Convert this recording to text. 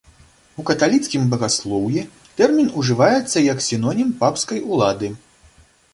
У каталіцкім багаслоўі тэрмін ужываецца як сінонім папскай улады.